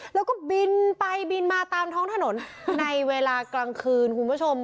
แล้วก็บินไปบินมาตามท้องถนนในเวลากลางคืนคุณผู้ชม